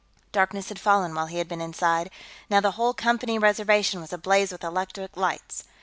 Darkness had fallen, while he had been inside; now the whole Company Reservation was ablaze with electric lights.